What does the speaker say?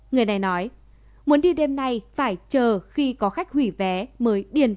người này nói muốn đi đêm nay phải chờ khi có khách hủy vé mới điền